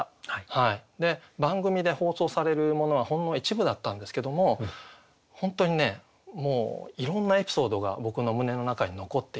番組で放送されるものはほんの一部だったんですけども本当にねもういろんなエピソードが僕の胸の中に残っていて。